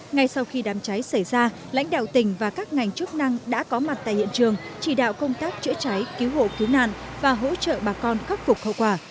ngay sau khi đám cháy xảy ra lãnh đạo tỉnh và các ngành chức năng đã có mặt tại hiện trường chỉ đạo công tác chữa cháy cứu hộ cứu nạn và hỗ trợ bà con khắc phục hậu quả